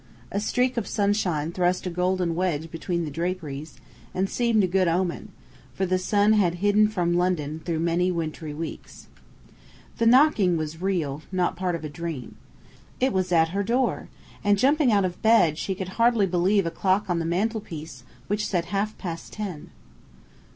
A streak of sunshine thrust a golden wedge between the draperies, and seemed a good omen: for the sun had hidden from London through many wintry weeks. The knocking was real, not part of a dream. It was at her door, and jumping out of bed she could hardly believe a clock on the mantelpiece which said half past ten.